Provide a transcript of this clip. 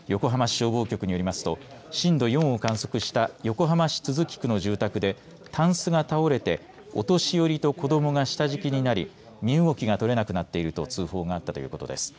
横浜市消防局によりますと震度４を観測した横浜市都筑区の住宅でタンスが倒れてお年寄りと子どもが下敷きになり身動きが取れなくなっていると通報があったということです。